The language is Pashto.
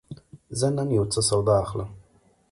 زه نن یوڅه سودا اخلم.